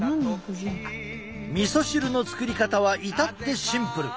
みそ汁の作り方は至ってシンプル。